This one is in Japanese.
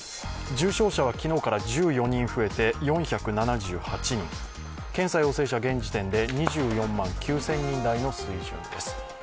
重症者は昨日から１４人増えて４７８人、検査陽性者、現時点で２４万９０００人の水準です。